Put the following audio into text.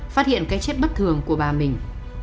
phát hiện cái chết bất thường của bà mình